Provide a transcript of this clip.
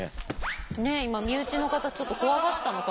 ねえ今身内の方ちょっと怖がったのかな？